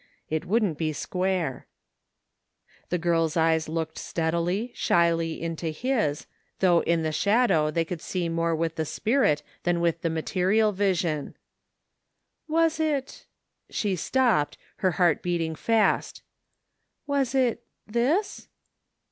"It wouldn't be square/* The girl's eyes looked steadily, shyly into his, though in the shadow they could see more with the spirit than with the material vision, " Was it " she stopped, her heart beating fast. "Wasit— this?'